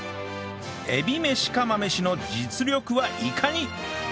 えびめし釜飯の実力はいかに？